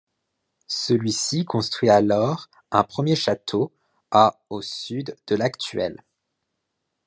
Celui-ci construit alors un premier château à au sud de l'actuel.